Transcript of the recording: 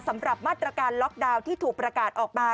สำหรับมาตรการล็อกดาวน์ที่ถูกประกาศออกมา